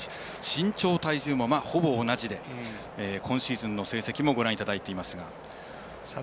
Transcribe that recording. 身長、体重もほぼ同じで今シーズンの成績もご覧いただいています。